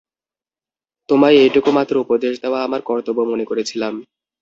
তোমায় এইটুকু মাত্র উপদেশ দেওয়া আমার কর্তব্য মনে করেছিলাম।